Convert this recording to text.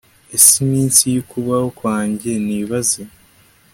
ese iminsi y'ukubaho kwanjye ntibaze